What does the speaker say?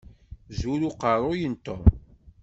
Zur uqerruy n Tom.